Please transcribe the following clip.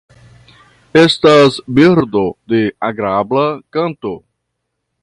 Estas birdo de agrabla kanto.